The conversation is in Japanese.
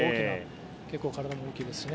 結構、体も大きいですし。